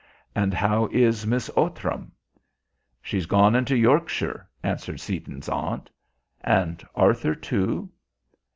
And how is Miss Outram?" "She's gone into Yorkshire," answered Seaton's aunt. "And Arthur too?"